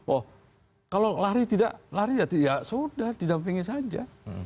oh kalau lari tidak lari ya sudah didampingi saja